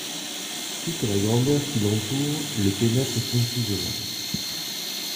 Toute la grandeur qui l’entoure Le pénètre confusément.